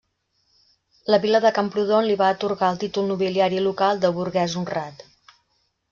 La Vila de Camprodon li va atorgar el títol nobiliari local de Burgès Honrat.